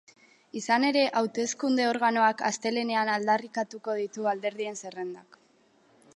Izan ere, hauteskunde organoak astelehenean aldarrikatuko ditu alderdien zerrendak.